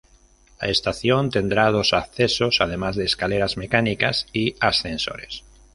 La estación tendrá dos accesos además de escaleras mecánicas y ascensores.